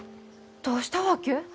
どうしたわけ？